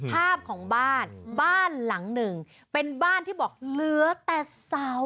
ภาพของบ้านบ้านหลังหนึ่งเป็นบ้านที่บอกเหลือแต่เสา